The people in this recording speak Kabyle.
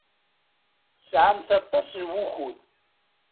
Tesɛamt aṭas n wakud.